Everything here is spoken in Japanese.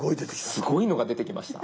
すごいのが出てきました。